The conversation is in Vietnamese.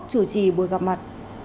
chủ trì buổi gặp mặt